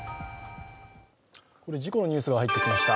ここで事故のニュースが入ってきました。